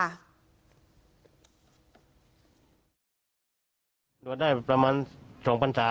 รถได้ประมาณสองพันธา